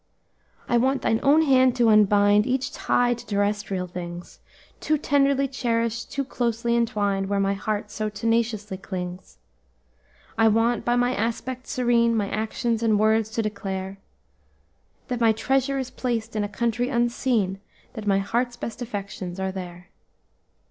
"'I want thine own hand to unbind Each tie to terrestrial things, Too tenderly cherished, too closely entwined, Where my heart so tenaciously clings. "'I want, by my aspect serene, My actions and words, to declare That my treasure is placed in a country unseen, That my heart's best affections are there.